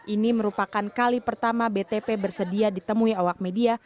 ini merupakan kali pertama btp bersedia ditemui awak media